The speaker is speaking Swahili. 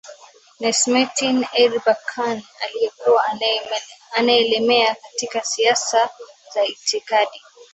Necmettin Erbakan aliyekuwa anaelemea katika siasa za itikadi